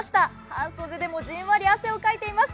半袖でもじんわり汗をかいています。